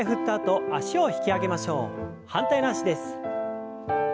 反対の脚です。